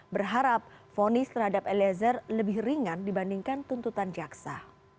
berharap fonis terhadap eliezer lebih ringan dibandingkan tuntutan jaksa